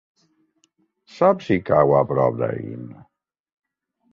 Saps si cau a prop d'Aín?